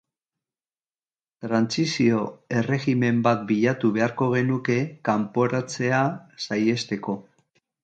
Trantsizio erregimen bat bilatu beharko genuke kanporatzea saihesteko.